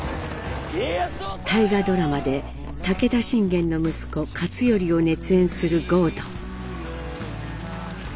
大河ドラマで武田信玄の息子勝頼を熱演する郷敦。